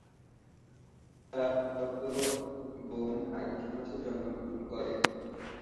তার ফুফাতো বোন আগস্ট মাসে জন্মগ্রহণ করে।